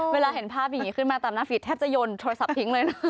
เวลาเห็นภาพอย่างนี้ขึ้นมาตามหน้าฟิตแทบจะยนโทรศัพท์ทิ้งเลยนะ